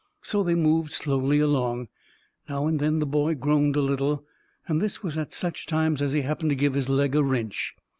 So they moved slowly along. Now and then the boy groaned a little. This was at such times as he happened to give his leg a wrench.